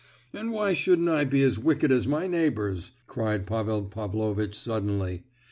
"And why shouldn't I be as wicked as my neighbours?" cried Pavel Pavlovitch suddenly!